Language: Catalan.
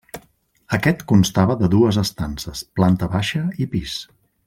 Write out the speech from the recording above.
Aquest constava de dues estances, planta baixa i pis.